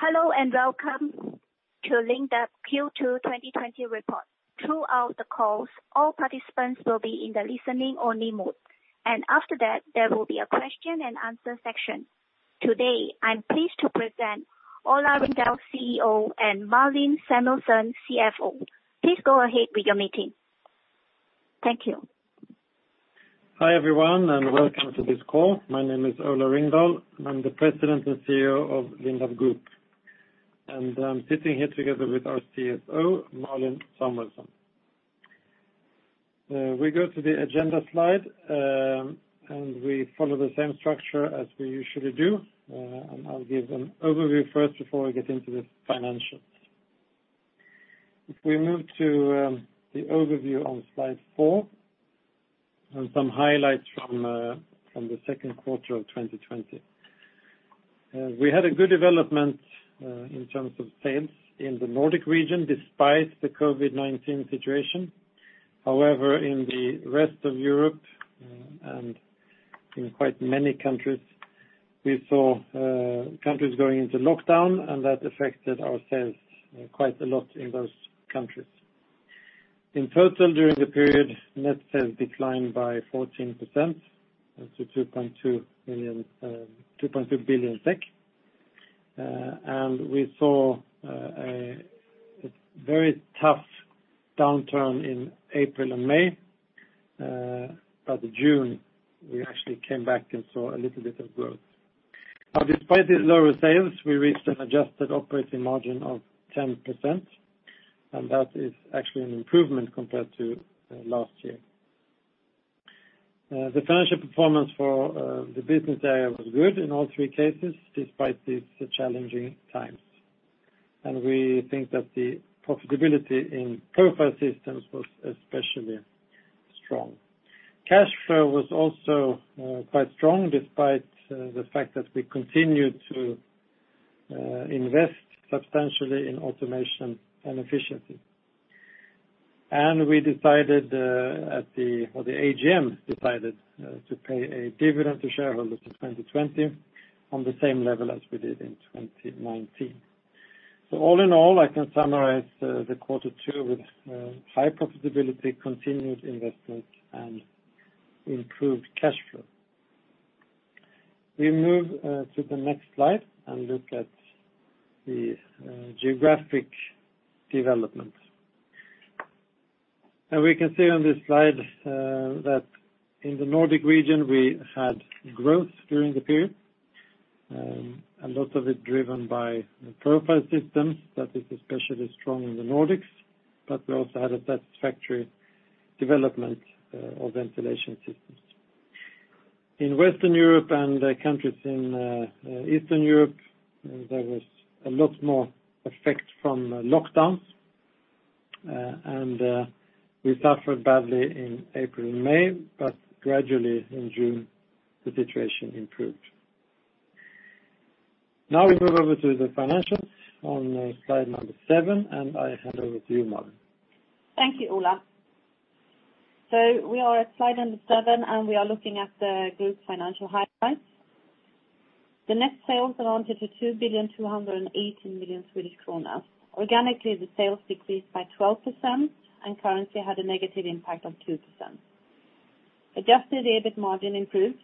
Hello and welcome to Lindab Q2 2020 report. Throughout the calls, all participants will be in the listening only mode. After that, there will be a question and answer section. Today, I'm pleased to present Ola Ringdahl, CEO, and Malin Samuelsson, CFO. Please go ahead with your meeting. Thank you. Hi, everyone, and welcome to this call. My name is Ola Ringdahl, and I'm the President and CEO of Lindab Group. I'm sitting here together with our CFO, Malin Samuelsson. We go to the agenda slide, and we follow the same structure as we usually do. I'll give an overview first before we get into the financials. If we move to the overview on slide four and some highlights from the second quarter of 2020. We had a good development in terms of sales in the Nordic region, despite the COVID-19 situation. However, in the rest of Europe, and in quite many countries, we saw countries going into lockdown, and that affected our sales quite a lot in those countries. In total, during the period, net sales declined by 14% to 2.2 billion SEK. We saw a very tough downturn in April and May. June, we actually came back and saw a little bit of growth. Despite the lower sales, we reached an adjusted operating margin of 10%, and that is actually an improvement compared to last year. The financial performance for the business area was good in all three cases, despite these challenging times. We think that the profitability in Profile Systems was especially strong. Cash flow was also quite strong, despite the fact that we continued to invest substantially in automation and efficiency. The AGM decided to pay a dividend to shareholders for 2020 on the same level as we did in 2019. All in all, I can summarize the Q2 with high profitability, continued investment, and improved cash flow. We move to the next slide and look at the geographic development. Now we can see on this slide that in the Nordic region, we had growth during the period, a lot of it driven by Profile Systems that is especially strong in the Nordics, but we also had a satisfactory development of Ventilation Systems. In Western Europe and countries in Eastern Europe, there was a lot more effect from lockdowns, and we suffered badly in April and May, but gradually in June, the situation improved. Now we move over to the financials on slide number 7, and I hand over to you, Malin. Thank you, Ola. We are at slide seven, and we are looking at the group's financial highlights. The net sales amounted to 2,218,000,000 Swedish kronor. Organically, the sales decreased by 12%, and currency had a negative impact of 2%. Adjusted EBIT margin improved,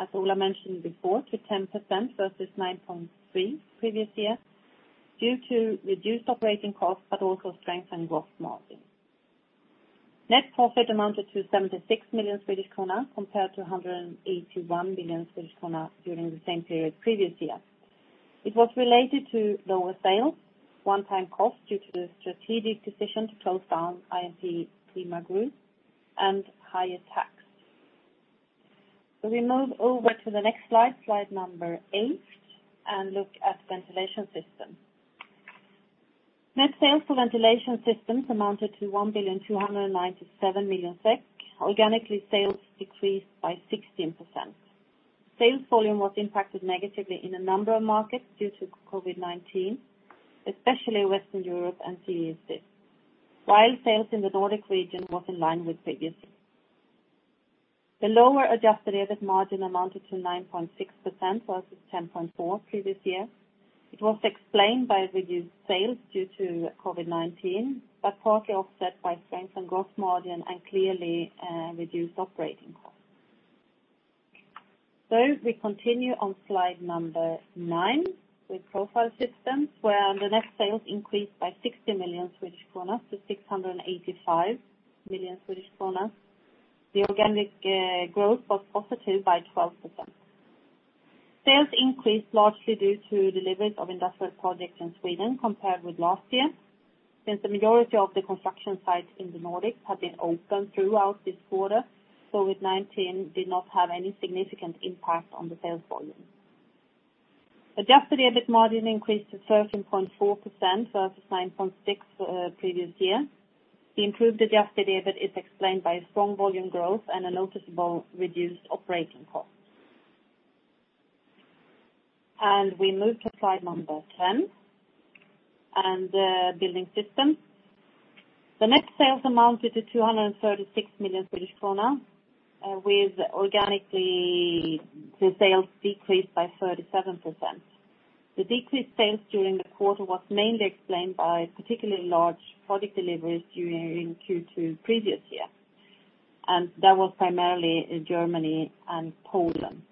as Ola mentioned before, to 10% versus 9.3% previous year due to reduced operating costs, but also strengthened gross margin. Net profit amounted to 76 million Swedish krona, compared to 181 million Swedish krona during the same period previous year. It was related to lower sales, one-time cost due to the strategic decision to close down IMP Klima Group, and higher tax. We move over to the next slide eight, and look at Ventilation Systems. Net sales for Ventilation Systems amounted to 1,297,000,000 SEK. Organically, sales decreased by 16%. Sales volume was impacted negatively in a number of markets due to COVID-19, especially Western Europe and CESEE. While sales in the Nordic region was in line with previous years. The lower adjusted EBIT margin amounted to 9.6% versus 10.4% previous year. It was explained by reduced sales due to COVID-19, but partly offset by strengthened gross margin and clearly reduced operating costs. We continue on slide number nine with Profile Systems, where the net sales increased by 60 million Swedish kronor to 685 million Swedish kronor. The organic growth was positive by 12%. Sales increased largely due to deliveries of industrial projects in Sweden compared with last year. Since the majority of the construction sites in the Nordics have been open throughout this quarter, COVID-19 did not have any significant impact on the sales volume. Adjusted EBIT margin increased to 13.4% versus 9.6% previous year. The improved adjusted EBIT is explained by strong volume growth and a noticeable reduced operating cost. We move to slide number 10 on the Building Systems. The net sales amounted to 236 million Swedish krona, with organically, the sales decreased by 37%. The decreased sales during the quarter was mainly explained by particularly large product deliveries during Q2 previous year, and that was primarily in Germany and Poland.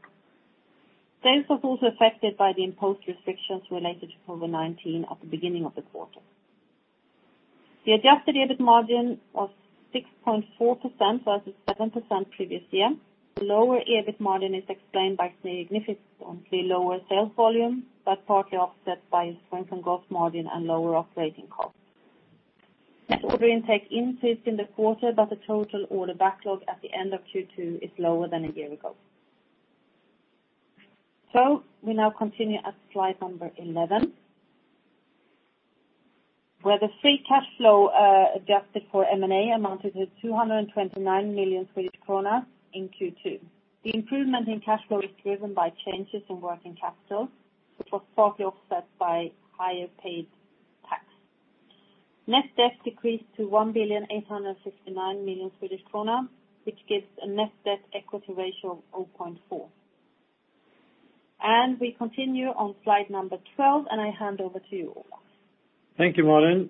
Sales was also affected by the imposed restrictions related to COVID-19 at the beginning of the quarter. The adjusted EBIT margin of 6.4% versus 7% previous year. The lower EBIT margin is explained by significantly lower sales volume, but partly offset by strength in gross margin and lower operating costs. Net order intake increased in the quarter, but the total order backlog at the end of Q2 is lower than a year ago. We now continue at slide number 11, where the free cash flow, adjusted for M&A, amounted to 229 million Swedish kronor in Q2. The improvement in cash flow is driven by changes in working capital, which was partly offset by higher paid tax. Net debt decreased to 1.869 billion, which gives a net debt equity ratio of 0.4. We continue on slide number 12, and I hand over to you, Ola. Thank you, Malin.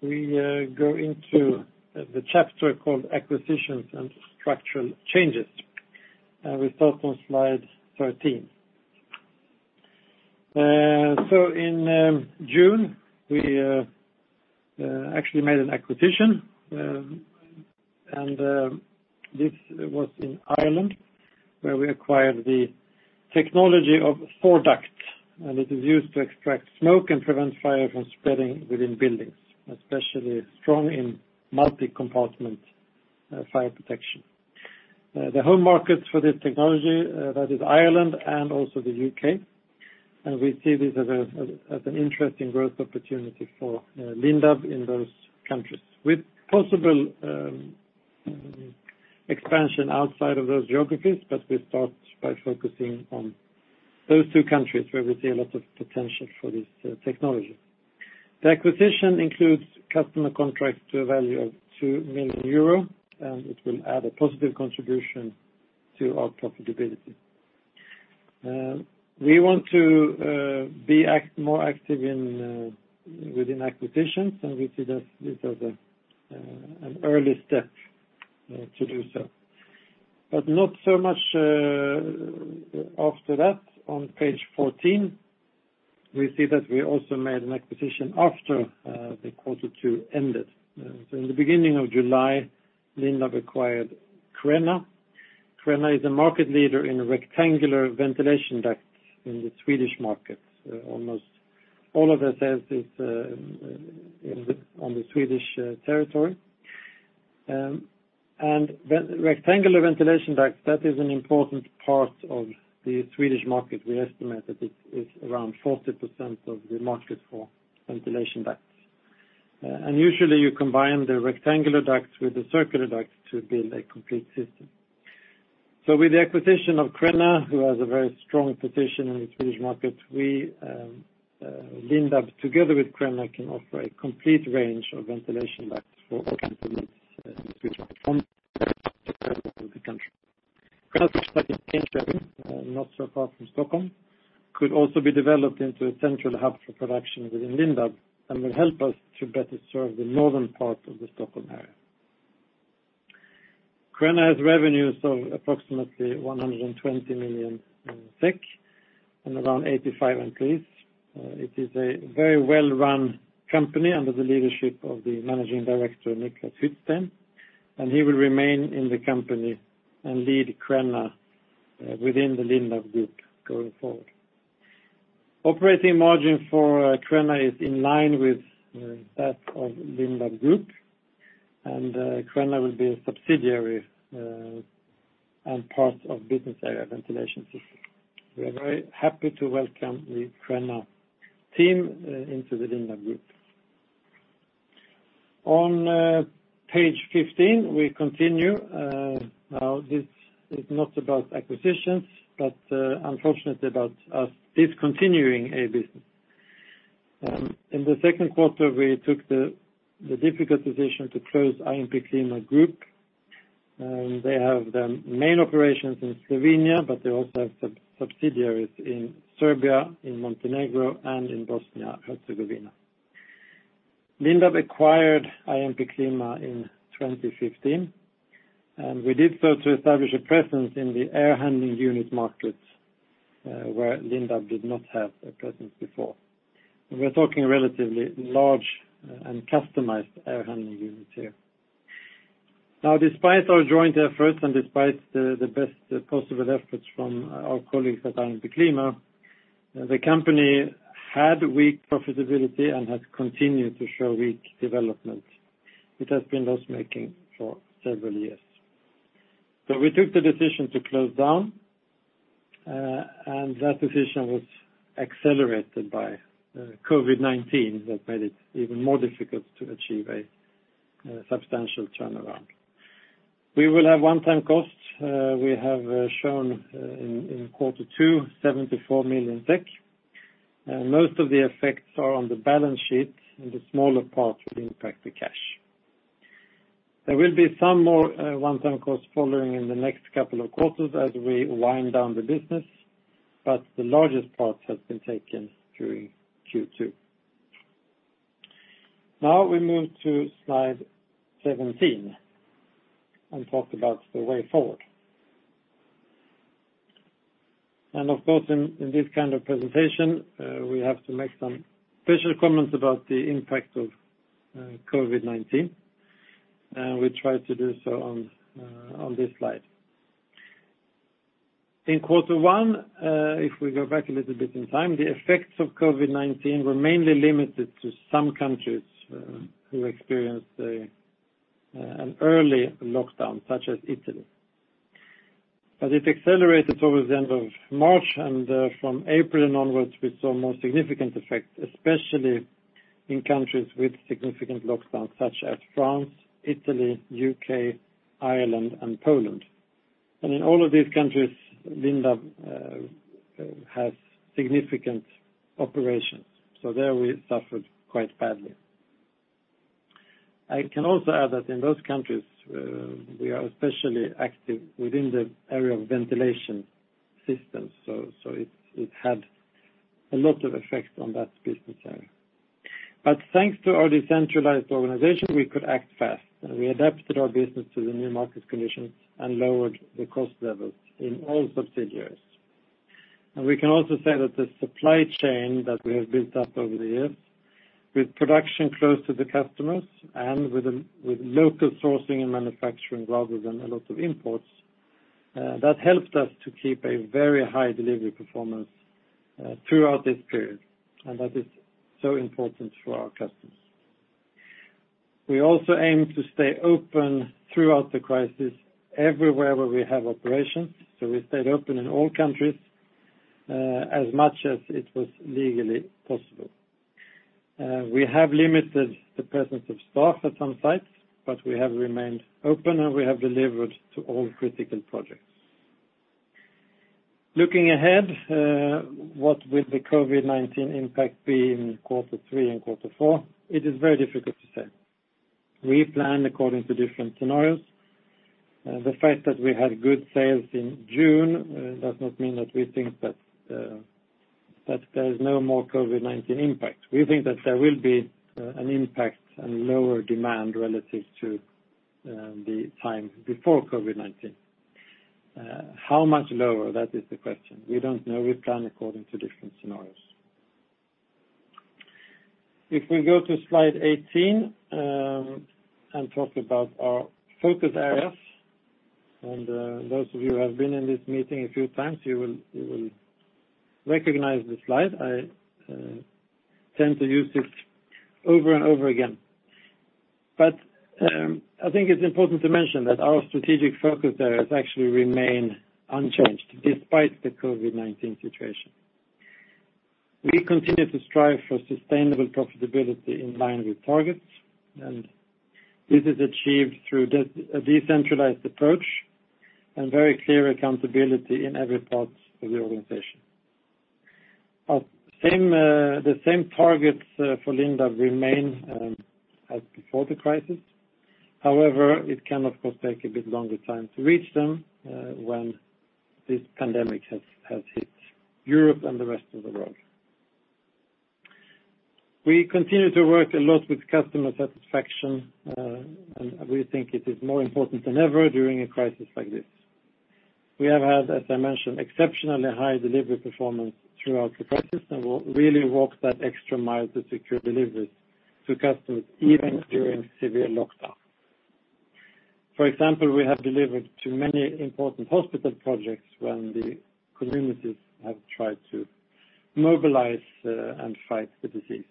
We go into the chapter called Acquisitions and Structural Changes. We start on slide 13. In June, we actually made an acquisition, this was in Ireland where we acquired the technology of fire ducts, and it is used to extract smoke and prevent fire from spreading within buildings, especially strong in multi-compartment fire protection. The home market for this technology, that is Ireland and also the U.K. We see this as an interesting growth opportunity for Lindab in those countries with possible expansion outside of those geographies. We start by focusing on those two countries where we see a lot of potential for this technology. The acquisition includes customer contracts to a value of 2 million euro, and it will add a positive contribution to our profitability. We want to be more active within acquisitions, we see that this as an early step to do so. Not so much after that, on page 14, we see that we also made an acquisition after the quarter two ended. In the beginning of July, Lindab acquired Crenna. Crenna is a market leader in rectangular ventilation ducts in the Swedish market. Almost all of the sales is on the Swedish territory. Rectangular ventilation ducts, that is an important part of the Swedish market. We estimate that it is around 40% of the market for ventilation ducts. Usually you combine the rectangular ducts with the circular ducts to build a complete system. With the acquisition of Crenna, who has a very strong position in the Swedish market, we, Lindab, together with Crenna, can offer a complete range of ventilation ducts for all kinds of needs in the Swedish market from the very north to the very south of the country. Crenna is located in Enköping, not so far from Stockholm, could also be developed into a central hub for production within Lindab and will help us to better serve the northern part of the Stockholm area. Crenna has revenues of approximately 120 million and around 85 employees. It is a very well-run company under the leadership of the managing director, Niklas Hyttsten, and he will remain in the company and lead Crenna within the Lindab Group going forward. Operating margin for Crenna is in line with that of Lindab Group, and Crenna will be a subsidiary and part of business area Ventilation Systems. We are very happy to welcome the Crenna team into the Lindab Group. On page 15, we continue. Now, this is not about acquisitions, but unfortunately about us discontinuing a business. In the second quarter, we took the difficult decision to close IMP Klima Group. They have the main operations in Slovenia, but they also have subsidiaries in Serbia, in Montenegro, and in Bosnia Herzegovina. Lindab acquired IMP Klima in 2015, and we did so to establish a presence in the air handling unit markets where Lindab did not have a presence before. We're talking relatively large and customized air handling units here. Despite our joint efforts and despite the best possible efforts from our colleagues at IMP Klima, the company had weak profitability and has continued to show weak development. It has been loss-making for several years. We took the decision to close down, and that decision was accelerated by COVID-19, that made it even more difficult to achieve a substantial turnaround. We will have one-time costs. We have shown in quarter two, 74 million SEK. Most of the effects are on the balance sheet, and the smaller part will impact the cash. There will be some more one-time costs following in the next couple of quarters as we wind down the business, but the largest part has been taken during Q2. We move to slide 17 and talk about the way forward. Of course, in this kind of presentation, we have to make some special comments about the impact of COVID-19, and we try to do so on this slide. In quarter one, if we go back a little bit in time, the effects of COVID-19 were mainly limited to some countries who experienced an early lockdown, such as Italy. It accelerated towards the end of March, and from April onwards, we saw more significant effects, especially in countries with significant lockdowns such as France, Italy, U.K., Ireland, and Poland. In all of these countries, Lindab has significant operations, so there we suffered quite badly. I can also add that in those countries, we are especially active within the area of Ventilation Systems. It had a lot of effect on that business area. Thanks to our decentralized organization, we could act fast, and we adapted our business to the new market conditions and lowered the cost levels in all subsidiaries. We can also say that the supply chain that we have built up over the years, with production close to the customers and with local sourcing and manufacturing rather than a lot of imports, that helped us to keep a very high delivery performance throughout this period, and that is so important for our customers. We also aim to stay open throughout the crisis everywhere where we have operations, so we stayed open in all countries, as much as it was legally possible. We have limited the presence of staff at some sites, but we have remained open, and we have delivered to all critical projects. Looking ahead, what with the COVID-19 impact be in quarter three and quarter four? It is very difficult to say. We plan according to different scenarios. The fact that we had good sales in June does not mean that we think that there is no more COVID-19 impact. We think that there will be an impact and lower demand relative to the time before COVID-19. How much lower? That is the question. We don't know. We plan according to different scenarios. If we go to slide 18, and talk about our focus areas, and those of you who have been in this meeting a few times, you will recognize the slide. I tend to use this over and over again. I think it's important to mention that our strategic focus areas actually remain unchanged despite the COVID-19 situation. We continue to strive for sustainable profitability in line with targets, and this is achieved through a decentralized approach and very clear accountability in every part of the organization. The same targets for Lindab remain as before the crisis. However, it can, of course, take a bit longer time to reach them when this pandemic has hit Europe and the rest of the world. We continue to work a lot with customer satisfaction, and we think it is more important than ever during a crisis like this. We have had, as I mentioned, exceptionally high delivery performance throughout the crisis, and we really walked that extra mile to secure deliveries to customers even during severe lockdown. For example, we have delivered to many important hospital projects when the communities have tried to mobilize and fight the disease.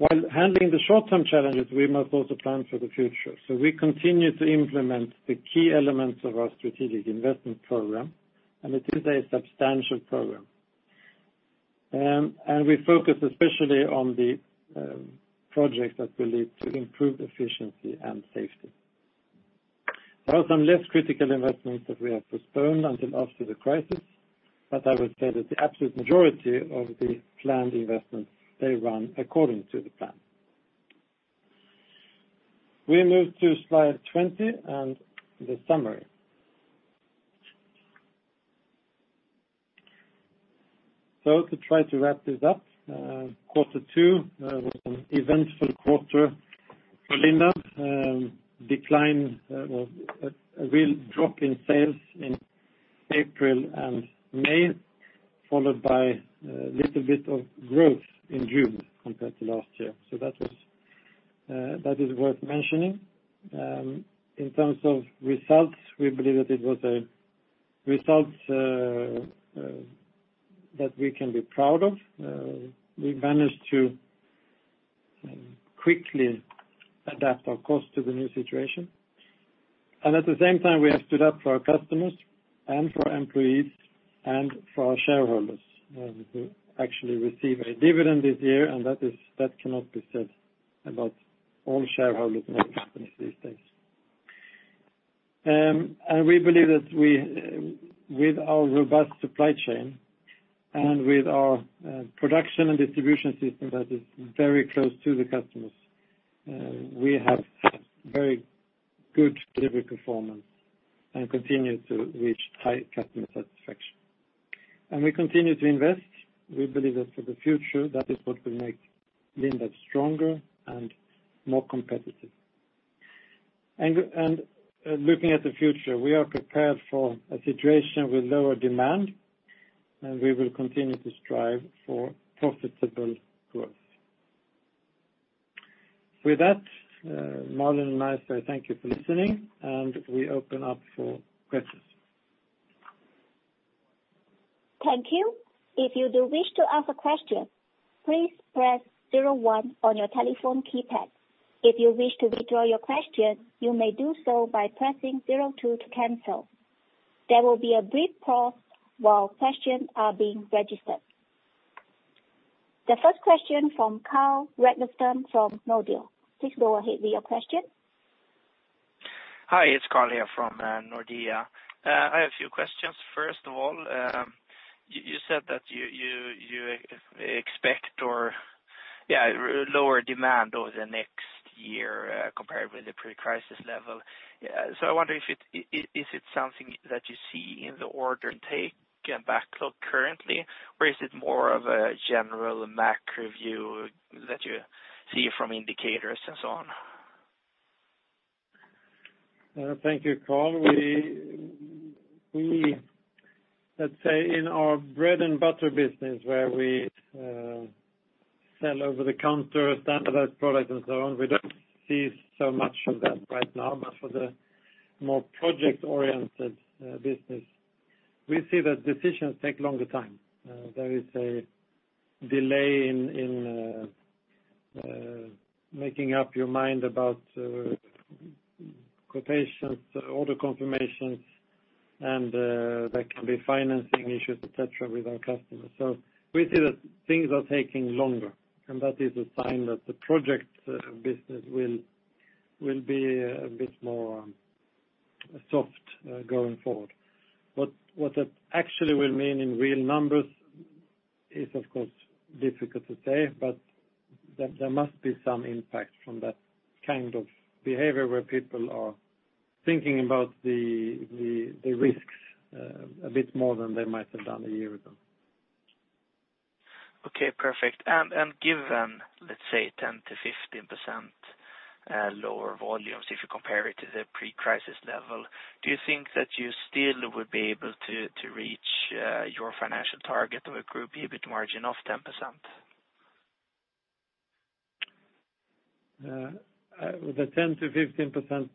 While handling the short-term challenges, we must also plan for the future. We continue to implement the key elements of our strategic investment program, and it is a substantial program. We focus especially on the projects that will lead to improved efficiency and safety. There are some less critical investments that we have postponed until after the crisis, but I would say that the absolute majority of the planned investments, they run according to the plan. We move to slide 20 and the summary. To try to wrap this up, quarter two was an eventful quarter for Lindab. Decline or a real drop in sales in April and May, followed by a little bit of growth in June compared to last year. That is worth mentioning. In terms of results, we believe that it was a result that we can be proud of. We managed to quickly adapt our cost to the new situation. At the same time, we have stood up for our customers, for our employees, and for our shareholders, who actually receive a dividend this year, and that cannot be said about all shareholders in all companies these days. We believe that with our robust supply chain and with our production and distribution system that is very close to the customers, we have very good delivery performance and continue to reach high customer satisfaction. We continue to invest. We believe that for the future, that is what will make Lindab stronger and more competitive. Looking at the future, we are prepared for a situation with lower demand, and we will continue to strive for profitable growth. With that, Malin and I say thank you for listening, and we open up for questions. Thank you. If you do wish to ask a question, please press zero one on your telephone keypad. If you wish to withdraw your question, you may do so by pressing zero two to cancel. There will be a brief pause while questions are being registered. The first question from Carl Ragnerstam from Nordea. Please go ahead with your question. Hi, it's Carl here from Nordea. I have a few questions. First of all, you said that you expect lower demand over the next year compared with the pre-crisis level. I wonder, is it something that you see in the order take and backlog currently, or is it more of a general macro view that you see from indicators and so on? Thank you, Carl. Let's say, in our bread-and-butter business where we sell over-the-counter standardized product and so on, we don't see so much of that right now. For the more project-oriented business, we see that decisions take longer time. There is a delay in making up your mind about quotations, order confirmations, and there can be financing issues, et cetera, with our customers. We see that things are taking longer, and that is a sign that the project business will be a bit more soft going forward. What that actually will mean in real numbers is, of course, difficult to say, but there must be some impact from that kind of behavior where people are thinking about the risks a bit more than they might have done a year ago. Okay, perfect. Given, let's say, 10%-15% lower volumes, if you compare it to the pre-crisis level, do you think that you still would be able to reach your financial target of a group EBIT margin of 10%? The 10%-15%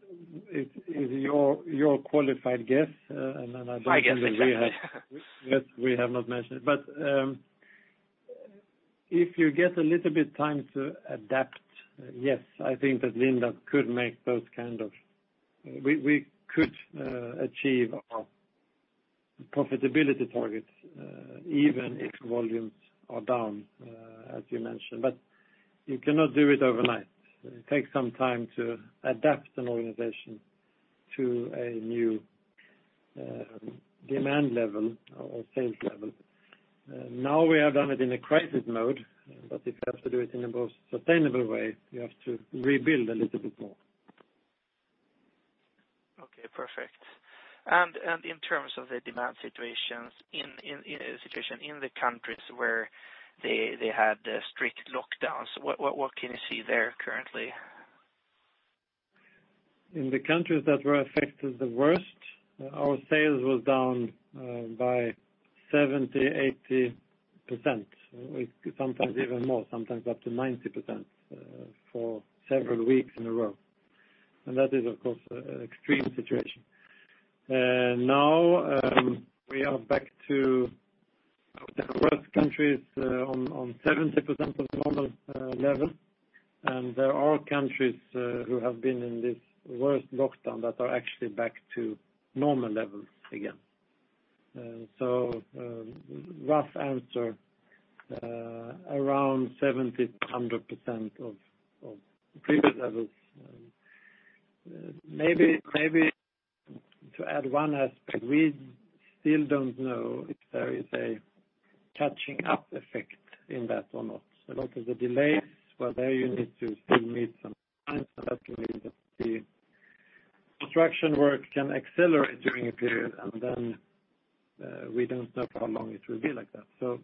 is your qualified guess. I don't think that we have. My guess exactly. We have not mentioned it. If you get a little bit of time to adapt, I think that We could achieve our profitability targets, even if volumes are down as you mentioned. You cannot do it overnight. It takes some time to adapt an organization to a new demand level or sales level. Now we have done it in a crisis mode, but if you have to do it in a more sustainable way, you have to rebuild a little bit more. Okay, perfect. In terms of the demand situations in the countries where they had strict lockdowns, what can you see there currently? In the countries that were affected the worst, our sales was down by 70%, 80%, sometimes even more, sometimes up to 90% for several weeks in a row. That is, of course, an extreme situation. Now we are back to, I would say, the worst countries on 70% of normal level. There are countries who have been in this worst lockdown that are actually back to normal levels again. Rough answer, around 70%-100% of previous levels. Maybe to add one aspect, we still don't know if there is a catching up effect in that or not. A lot of the delays were there. You need to still need some time, that can mean that the construction work can accelerate during a period, we don't know for how long it will be like that.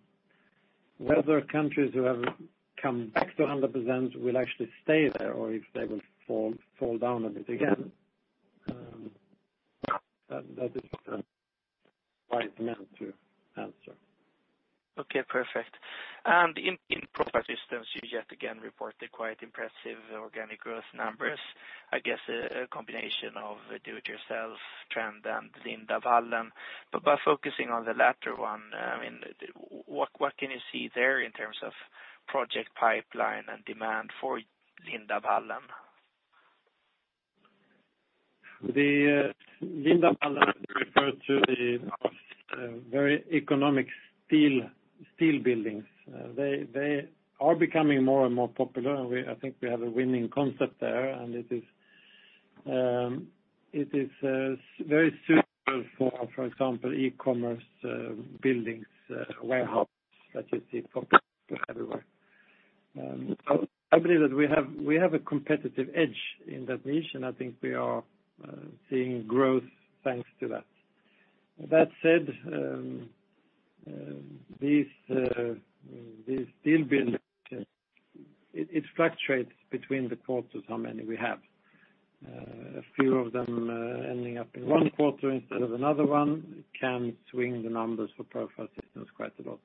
Whether countries who have come back to 100% will actually stay there, or if they will fall down a bit again, that is quite difficult to answer. Okay, perfect. In Profile Systems, you yet again report the quite impressive organic growth numbers. I guess a combination of do-it-yourself trend and Lindab Wall. By focusing on the latter one, what can you see there in terms of project pipeline and demand for Lindab Hallen? The Lindab Hallen refer to the very economic steel buildings. They are becoming more and more popular, and I think we have a winning concept there, and it is very suitable for example, e-commerce buildings, warehouse, that you see popping up everywhere. I believe that we have a competitive edge in that niche, and I think we are seeing growth thanks to that. That said, these steel buildings, it fluctuates between the quarters how many we have. A few of them ending up in one quarter instead of another one can swing the numbers for Profile Systems quite a lot.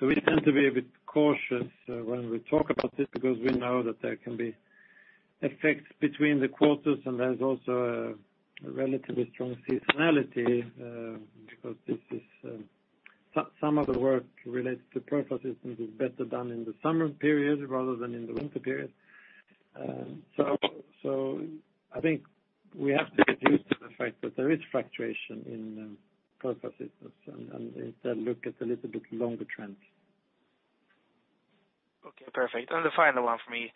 We tend to be a bit cautious when we talk about this because we know that there can be effects between the quarters and there is also a relatively strong seasonality because some of the work related to Profile Systems is better done in the summer period rather than in the winter period. I think we have to get used to the fact that there is fluctuation in Profile Systems and instead look at a little bit longer trend. Okay, perfect. The final one for me.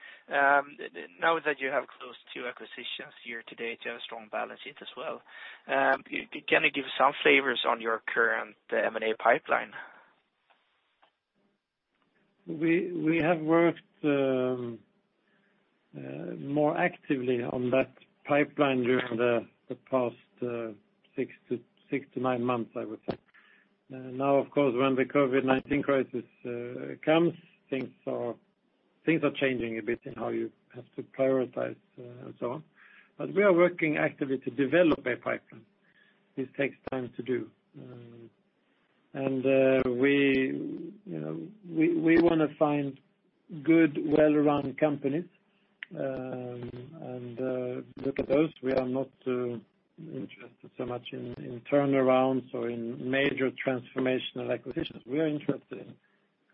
Now that you have closed two acquisitions year to date, you have a strong balance sheet as well. Can you give some flavors on your current M&A pipeline? We have worked more actively on that pipeline during the past six to nine months, I would say. Now, of course, when the COVID-19 crisis comes, things are changing a bit in how you have to prioritize and so on. We are working actively to develop a pipeline. This takes time to do. We want to find good, well-run companies, and look at those. We are not interested so much in turnarounds or in major transformational acquisitions. We are interested in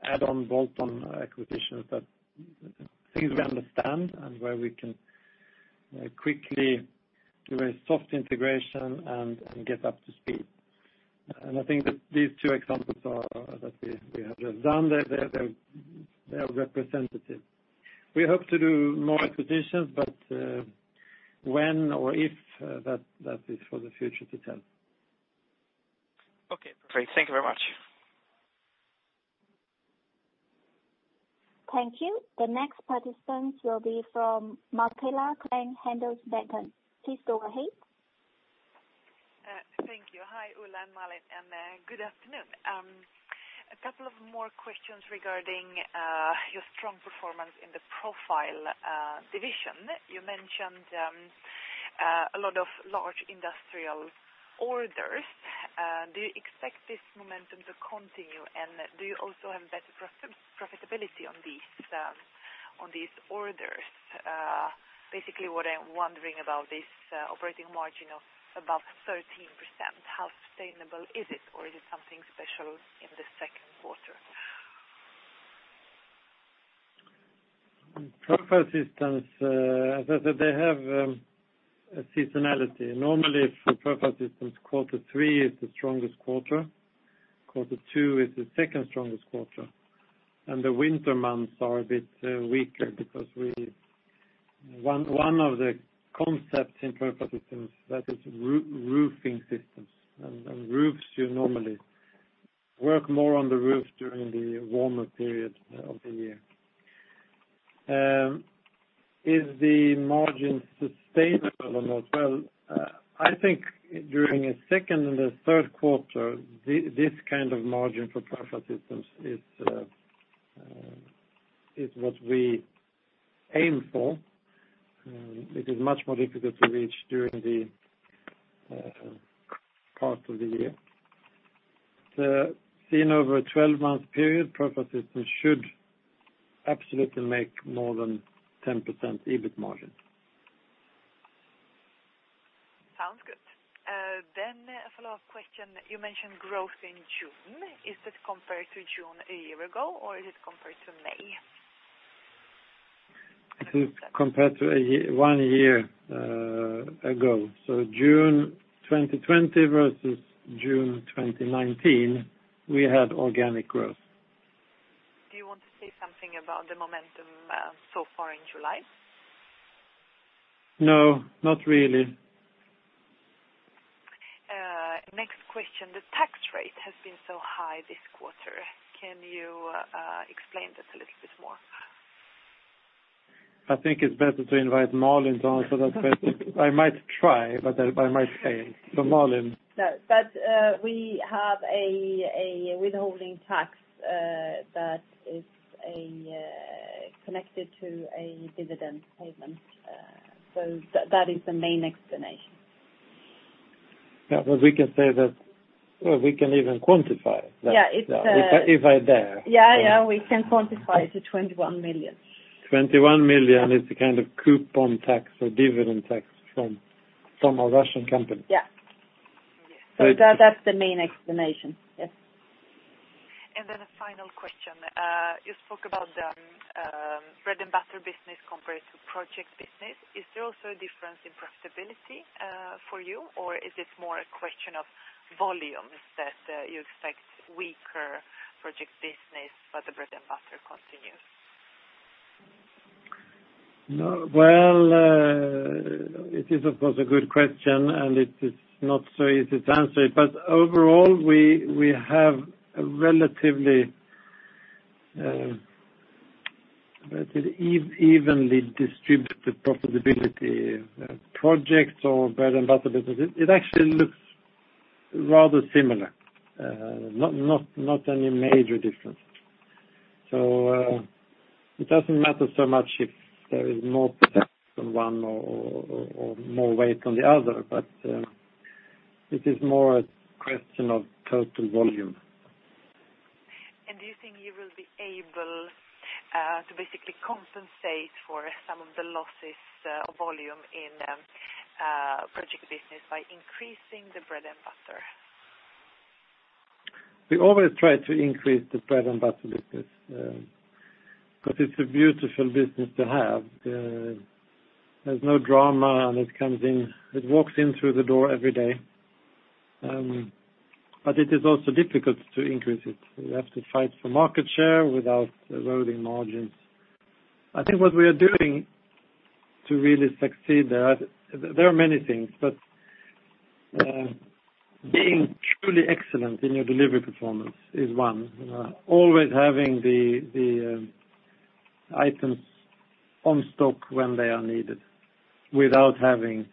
add-on, bolt-on acquisitions, things we understand and where we can quickly do a soft integration and get up to speed. I think that these two examples that we have just done, they are representative. We hope to do more acquisitions, when or if, that is for the future to tell. Okay, great. Thank you very much. Thank you. The next participant will be from Marketta, Handelsbanken. Please go ahead. Thank you. Hi, Ola and Malin, and good afternoon. A couple of more questions regarding your strong performance in the Profile Systems. You mentioned a lot of large industrial orders. Do you expect this momentum to continue? Do you also have better profitability on these orders? Basically what I'm wondering about this operating margin of above 13%, how sustainable is it, or is it something special in the second quarter? Profile Systems, as I said, they have a seasonality. Normally for Profile Systems, quarter 3 is the strongest quarter 2 is the second strongest quarter, and the winter months are a bit weaker because one of the concepts in Profile Systems that is roofing systems, and roofs you normally work more on the roof during the warmer period of the year. Is the margin sustainable or not? Well, I think during the second and the third quarter, this kind of margin for Profile Systems is what we aim for. It is much more difficult to reach during the part of the year. Seen over a 12-month period, Profile Systems should absolutely make more than 10% EBIT margin. Sounds good. A follow-up question. You mentioned growth in June. Is this compared to June a year ago, or is it compared to May? It is compared to one year ago. June 2020 versus June 2019, we had organic growth. Do you want to say something about the momentum so far in July? No, not really. Next question. The tax rate has been so high this quarter. Can you explain this a little bit more? I think it's better to invite Malin to answer that question. I might try, but I might fail. So Malin. We have a withholding tax that is connected to a dividend payment. That is the main explanation. Yeah, we can even quantify that. Yeah. If I dare. Yeah. We can quantify it to 21 million. 21 million is the kind of coupon tax or dividend tax from a Russian company. Yeah. That's the main explanation. Yes. A final question. You spoke about the bread-and-butter business compared to project business. Is there also a difference in profitability for you, or is it more a question of volumes that you expect weaker project business, but the bread-and-butter continues? No. Well, it is, of course, a good question, and it is not so easy to answer it. Overall, we have a relatively evenly distributed profitability projects or bread-and-butter business. It actually looks rather similar. Not any major difference. It doesn't matter so much if there is more potential from one or more weight on the other, but it is more a question of total volume. Do you think you will be able to basically compensate for some of the losses of volume in project business by increasing the bread-and-butter? We always try to increase the bread-and-butter business, because it's a beautiful business to have. There's no drama, and it walks in through the door every day. It is also difficult to increase it. We have to fight for market share without eroding margins. I think what we are doing to really succeed there are many things, but being truly excellent in your delivery performance is one. Always having the items on stock when they are needed, without having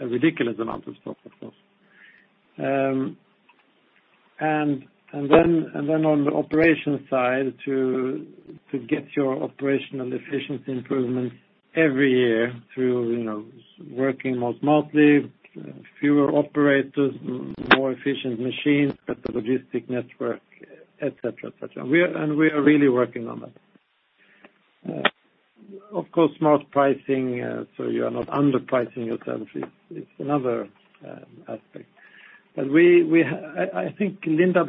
a ridiculous amount of stock, of course. Then on the operation side, to get your operational efficiency improvements every year through working more smartly, fewer operators, more efficient machines at the logistic network, et cetera. We are really working on that. Of course, smart pricing, so you are not underpricing yourself is another aspect. I think Lindab,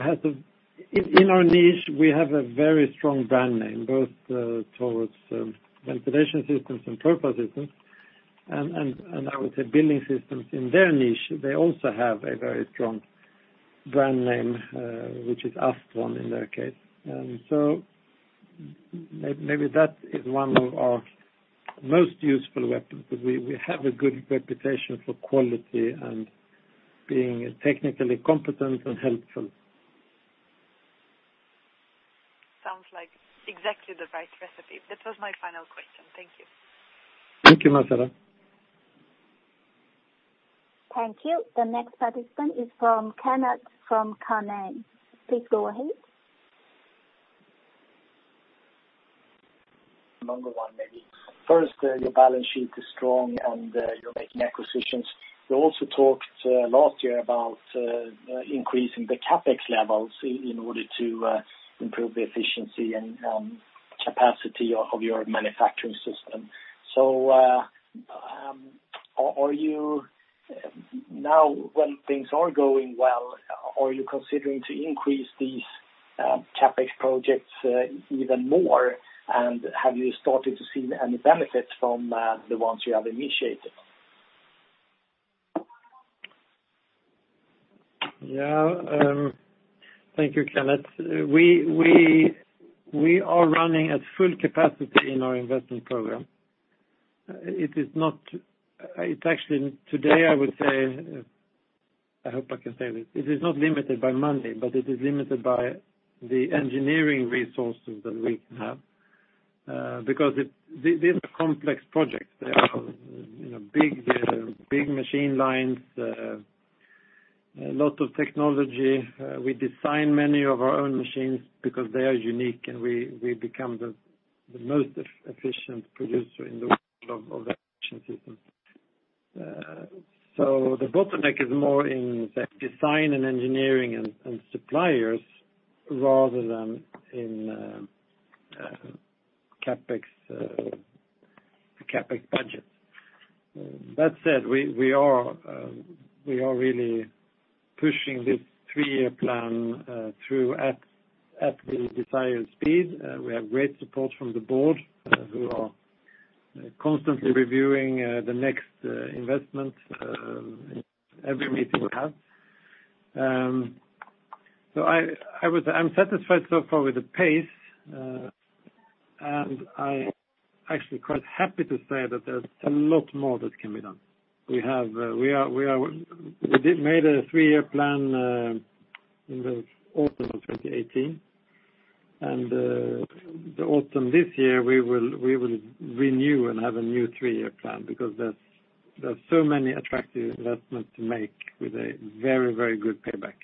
in our niche, we have a very strong brand name, both towards Ventilation Systems and Profile Systems, and I would say Building Systems in their niche, they also have a very strong brand name, which is Astron in their case. Maybe that is one of our most useful weapons, because we have a good reputation for quality and being technically competent and helpful. Sounds like exactly the right recipe. That was my final question. Thank you. Thank you, Marketta. Thank you. The next participant is from Kenneth from Carnegie. Please go ahead. A longer one, maybe. First, your balance sheet is strong and you're making acquisitions. You also talked last year about increasing the CapEx levels in order to improve the efficiency and capacity of your manufacturing system. Now when things are going well, are you considering to increase these CapEx projects even more? Have you started to see any benefits from the ones you have initiated? Thank you, Kenneth. We are running at full capacity in our investment program. Actually, today, I would say, I hope I can say this, it is not limited by money, but it is limited by the engineering resources that we have, because these are complex projects. They are big machine lines, lots of technology. We design many of our own machines because they are unique, and we become the most efficient producer in the world of the system. The bottleneck is more in the design and engineering and suppliers, rather than in CapEx budgets. That said, we are really pushing this three-year plan through at the desired speed. We have great support from the board, who are constantly reviewing the next investment in every meeting we have. I'm satisfied so far with the pace, and I actually quite happy to say that there's a lot more that can be done. We made a three-year plan in the autumn of 2018, and the autumn this year, we will renew and have a new three-year plan because there's so many attractive investments to make with a very good payback.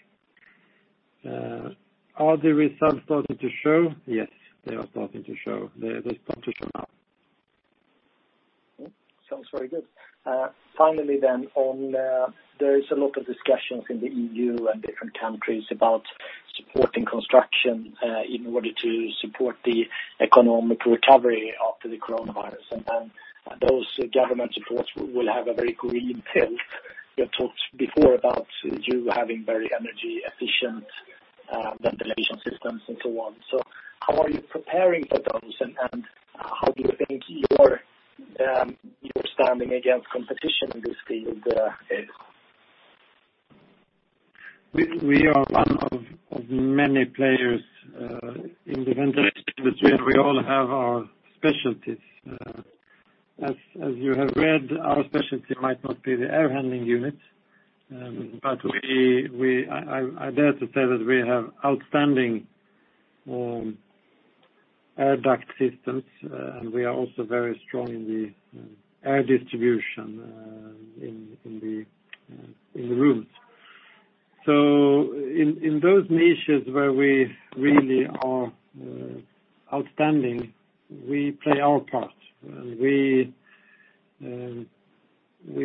Are the results starting to show? Yes. They are starting to show. They start to show now. Sounds very good. Finally, there is a lot of discussions in the EU and different countries about supporting construction in order to support the economic recovery after the coronavirus. Those government reports will have a very green tilt. We have talked before about you having very energy efficient ventilation systems and so on. How are you preparing for those and how do you think you're standing against competition in this field is? We are one of many players in the ventilation industry, and we all have our specialties. As you have read, our specialty might not be the air handling unit, but I dare to say that we have outstanding air duct systems, and we are also very strong in the air distribution in the rooms. In those niches where we really are outstanding, we play our part. We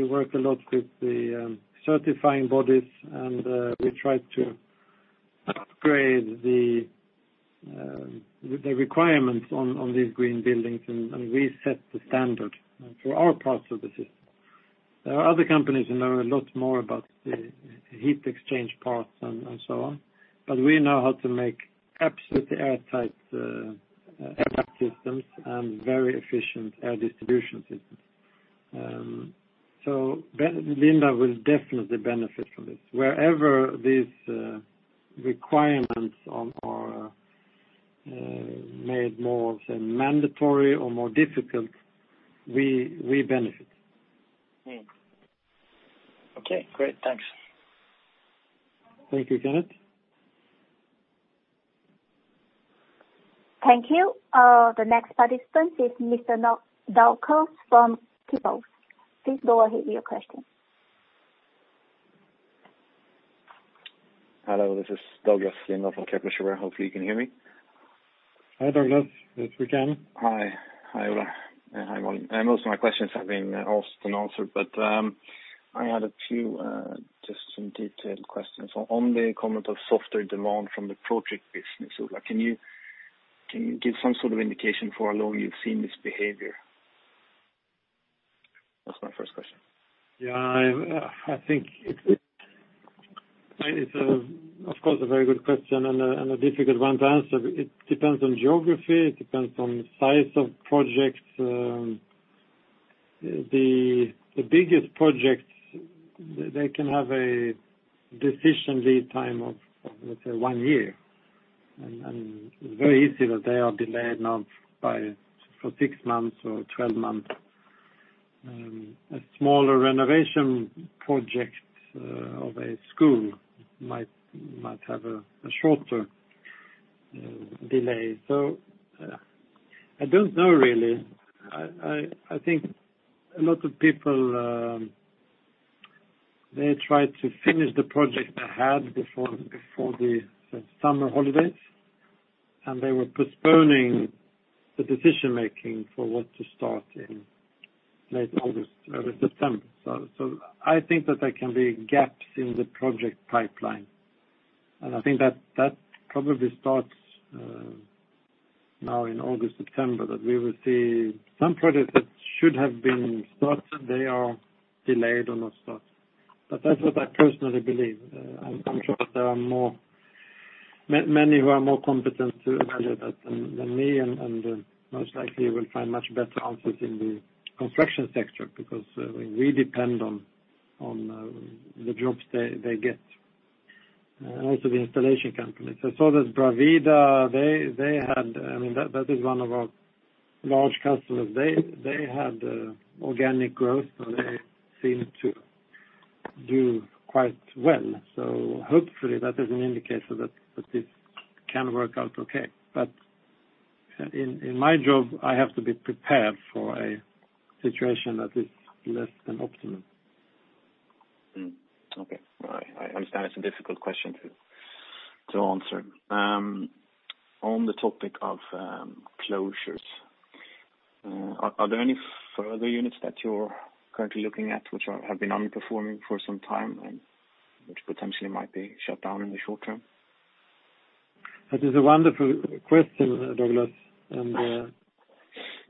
work a lot with the certifying bodies, and we try to upgrade the requirements on these green buildings, and we set the standard for our parts of the system. There are other companies who know a lot more about the heat exchange parts and so on, but we know how to make absolutely airtight air duct systems and very efficient air distribution systems. Lindab will definitely benefit from this. Wherever these requirements are made more, say, mandatory or more difficult, we benefit. Okay, great. Thanks. Thank you, Kenneth. Thank you. The next participant is Mr. Douglas from Kepler. Please go ahead with your question. Hello, this is Douglas from Kepler Cheuvreux. Hopefully you can hear me. Hi, Douglas. Yes, we can. Hi, Ola. Hi, Malin. Most of my questions have been asked and answered, but I had a few, just some detailed questions. On the comment of softer demand from the project business, Ola, can you give some sort of indication for how long you've seen this behavior? That's my first question. Yeah. I think it's, of course, a very good question and a difficult one to answer. It depends on geography. It depends on the size of projects. The biggest projects, they can have a decision lead time of, let's say, one year, and very easy that they are delayed now for six months or 12 months. A smaller renovation project of a school might have a shorter delay. I don't know, really. I think a lot of people, they tried to finish the project they had before the summer holidays, and they were postponing the decision making for what to start in late August, early September. I think that there can be gaps in the project pipeline, and I think that probably starts now in August, September, that we will see some projects that should have been started, they are delayed or not started. That's what I personally believe. I'm sure that there are many who are more competent to evaluate that than me, and most likely will find much better answers in the construction sector, because we depend on the jobs they get, and also the installation companies. I saw that Bravida, that is one of our large customers. They had organic growth, and they seem to do quite well. Hopefully that is an indicator that this can work out okay. In my job, I have to be prepared for a situation that is less than optimum. Okay. I understand it's a difficult question to answer. On the topic of closures, are there any further units that you're currently looking at which have been underperforming for some time, and which potentially might be shut down in the short term? That is a wonderful question, Douglas, and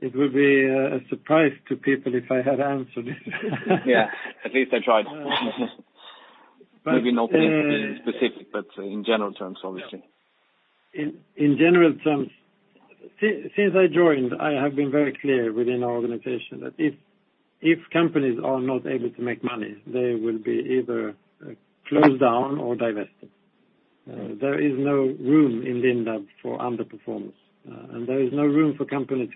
it will be a surprise to people if I had answered it. Yeah. At least I tried. Maybe not specific, but in general terms, obviously. In general terms, since I joined, I have been very clear within our organization that if companies are not able to make money, they will be either closed down or divested. There is no room in Lindab for underperformance, and there is no room for companies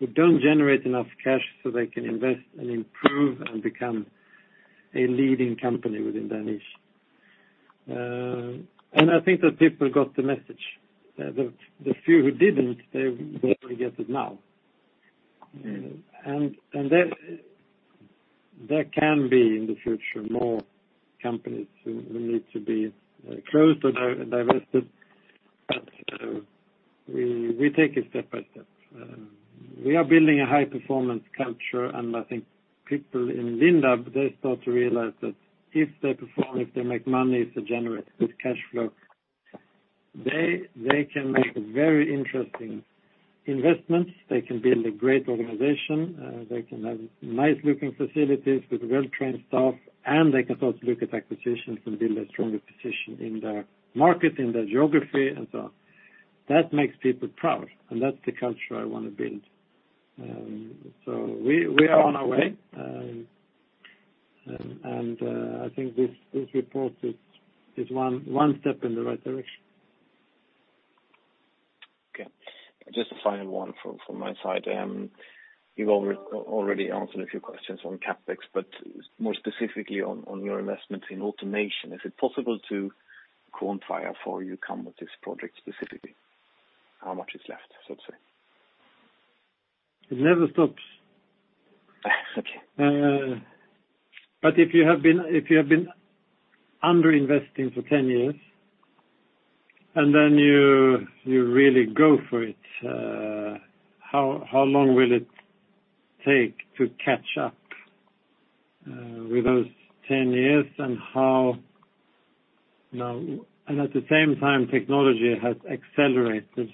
who don't generate enough cash so they can invest and improve and become a leading company within their niche. I think that people got the message. The few who didn't, they will get it now. There can be, in the future, more companies who need to be closed or divested. We take it step by step. We are building a high-performance culture, and I think people in Lindab, they start to realize that if they perform, if they make money, if they generate good cash flow, they can make very interesting investments. They can build a great organization. They can have nice-looking facilities with well-trained staff, and they can also look at acquisitions and build a stronger position in their market, in their geography, and so on. That makes people proud, and that's the culture I want to build. We are on our way. I think this report is one step in the right direction. Okay. Just a final one from my side. You've already answered a few questions on CapEx, more specifically on your investments in automation, is it possible to quantify how far you've come with this project specifically? How much is left, so to say? It never stops. Okay. If you have been under-investing for 10 years, and then you really go for it, how long will it take to catch up with those 10 years? At the same time, technology has accelerated,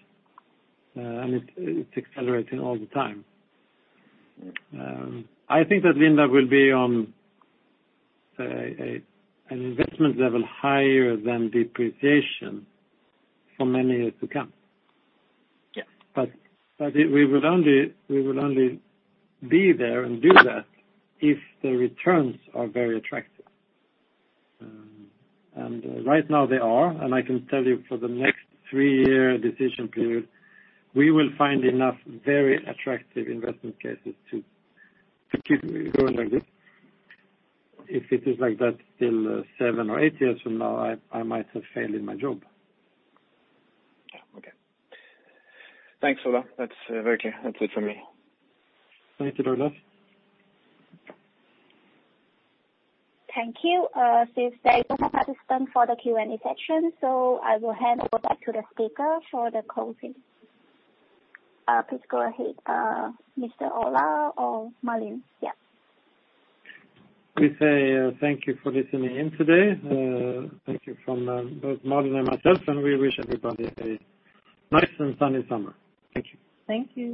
and it's accelerating all the time. I think that Lindab will be on an investment level higher than depreciation for many years to come. Yeah. We would only be there and do that if the returns are very attractive. Right now they are, and I can tell you for the next three-year decision period, we will find enough very attractive investment cases to keep going like this. If it is like that till seven or eight years from now, I might have failed in my job. Yeah. Okay. Thanks, Ola. That's very clear. That's it from me. Thank you, Douglas. Thank you. Since there is no participant for the Q&A session, I will hand over back to the speaker for the closing. Please go ahead, Mr. Ola or Malin. Yeah. We say thank you for listening in today. Thank you from both Malin and myself. We wish everybody a nice and sunny summer. Thank you. Thank you.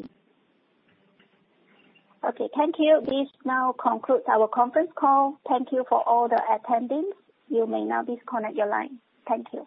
Okay. Thank you. This now concludes our conference call. Thank you for all the attendees. You may now disconnect your line. Thank you.